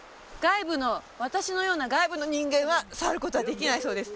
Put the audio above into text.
私のような外部の人間は触ることはできないそうです